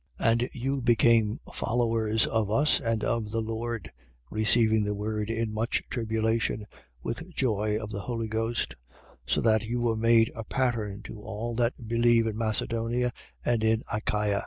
1:6. And you became followers of us and of the Lord: receiving the word in much tribulation, with joy of the Holy Ghost: 1:7. So that you were made a pattern to all that believe in Macedonia and in Achaia.